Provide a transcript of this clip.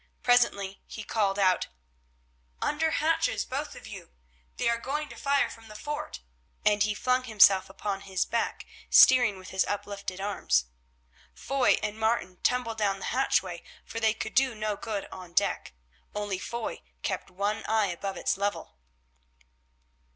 Presently he called aloud: "Under hatches, both of you. They are going to fire from the fort," and he flung himself upon his back, steering with his uplifted arms. Foy and Martin tumbled down the hatchway, for they could do no good on deck. Only Foy kept one eye above its level.